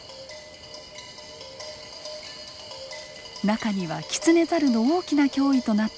中にはキツネザルの大きな脅威となったものもいます。